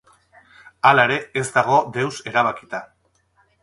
Hala ere, ez dago deus erabakita.